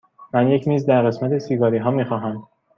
من یک میز در قسمت سیگاری ها می خواهم.